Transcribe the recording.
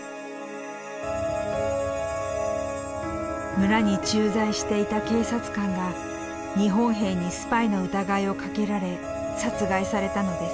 村に駐在していた警察官が日本兵にスパイの疑いをかけられ殺害されたのです。